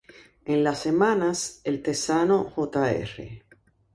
En las semanas, El Texano Jr.